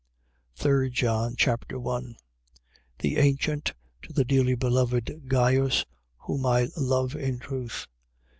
3 John Chapter 1 1:1. The Ancient, to the dearly beloved Gaius, whom I love in truth.